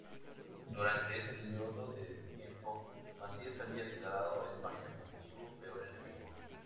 Durante ese periodo de tiempo, Macías había declarado a España como su peor enemigo.